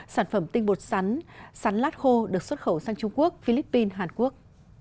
sản phẩm tinh bột sắn sắn lát khô được xuất khẩu sang trung quốc philippines hàn quốc